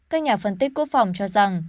các nhà phân tích quốc phòng cho rằng